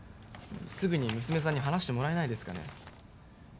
すぐに娘さんに話してもらえないですかね？